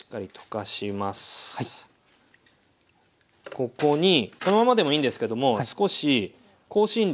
ここにこのままでもいいんですけども少し香辛料。